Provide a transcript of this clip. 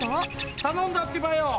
たのんだってばよ！